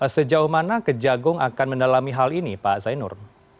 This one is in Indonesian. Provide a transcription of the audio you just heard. sejauh mana kejagung akan mendalami hal ini pak zainur